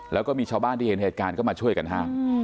แล้วก็มีชาวบ้านที่เห็นเหตุการณ์ก็มาช่วยกันห้าม